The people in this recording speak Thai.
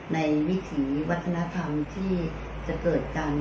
วิถีวัฒนธรรมที่จะเกิดกัน